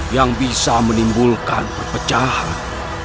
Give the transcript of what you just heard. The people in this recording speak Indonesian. yang bisa menimbulkan perpecahan